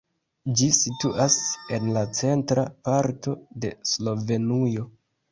Ĝi situas en la centra parto de Slovenujo.